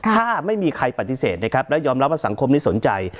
ถ้าไม่มีใครปฏิเสธนะครับแล้วยอมรับว่าสังคมนี้สนใจ